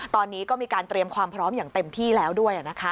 ตอนนี้ก็มีการเตรียมความพร้อมอย่างเต็มที่แล้วด้วย